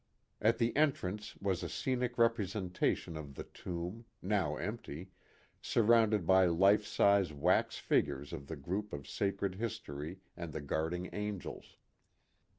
At the entrance was a scenic representation of the Tomb now empty surrounded by life size wax figures of the group of sacred his tory and " the guarding angels.